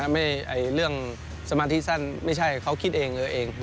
ไม่ใช่เรื่องสมาธิสั้นเขาคิดเองเลยเอง